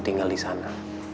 terima kasih pak